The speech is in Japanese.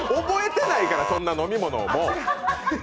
覚えてないから、そんな飲み物。